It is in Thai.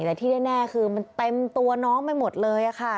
แต่ที่แน่คือมันเต็มตัวน้องไปหมดเลยค่ะ